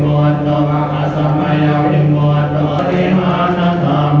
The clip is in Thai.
สุดท้ายเท่าไหร่สุดท้ายเท่าไหร่